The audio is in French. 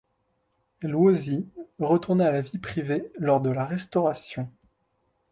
Luosi retourna à la vie privée lors de la Restauration.